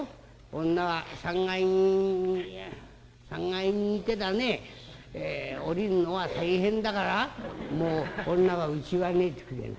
女は３階にいてだね下りるのは大変だからもう女はうちがねえってくれえだ。